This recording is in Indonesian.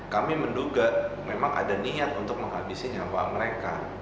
kami menduga memang ada niat untuk menghabisi nyawa mereka